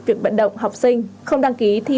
vận động học sinh không đăng ký thi